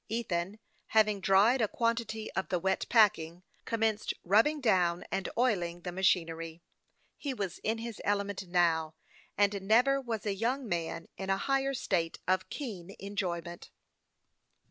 Ethan, hav ing dried a quantity of the wet packing, commenced rubbing down and oiling the machinery. He was in his element now, and never was a young man in a higher state of keen enjoyment.